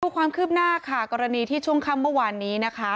ความคืบหน้าค่ะกรณีที่ช่วงค่ำเมื่อวานนี้นะคะ